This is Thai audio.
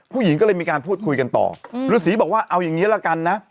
ผู้หญิงก็เลยมีการพูดคุยกันต่อฤษีบอกว่าเอาอย่างนี้ละกันนะ